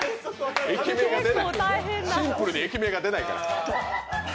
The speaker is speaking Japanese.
シンプルに駅名が出ないから。